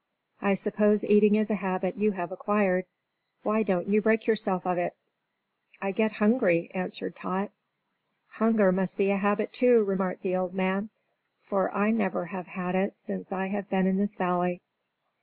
I suppose eating is a habit you have acquired. Why don't you break yourself of it?" "I get hungry," answered Tot. "Hunger must be a habit, too," remarked the old man, "for I never have had it since I have been in this valley.